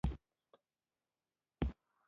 غول د الرجۍ نښه کېدای شي.